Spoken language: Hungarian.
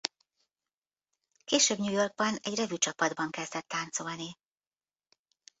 Később New Yorkban egy revü-csapatban kezdett táncolni.